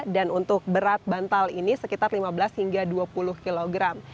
dan untuk berat bantal ini sekitar lima belas hingga dua puluh kilogram